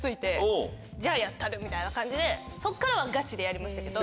みたいな感じでそっからはガチでやりましたけど。